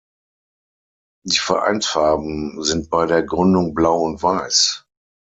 Die Vereinsfarben sind bei der Gründung blau und weiß.